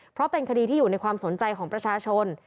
เพราะเป็นคดีที่อยู่ในความสนใจของประชาชน